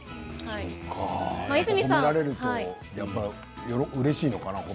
やっぱり褒められるとうれしいのかな。